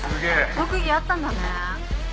特技あったんだね。